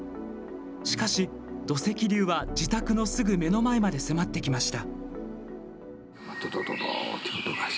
しかし土石流は、自宅のすぐ目の前まで迫ってきました。